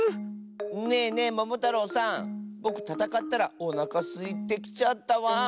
ねえねえももたろうさんぼくたたかったらおなかすいてきちゃったワン。